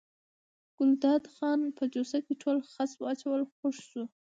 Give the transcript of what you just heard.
ګلداد خان په جوسه کې ټول خس واچول خوښ شو.